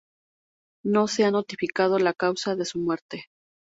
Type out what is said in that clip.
No se ha notificado la causa de su muerte.